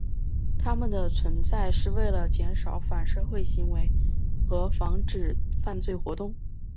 他们的存在是为了减少反社会行为和防止犯罪活动。